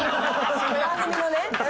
番組のね。